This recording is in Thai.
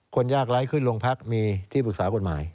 ยากไร้ขึ้นโรงพักมีที่ปรึกษากฎหมาย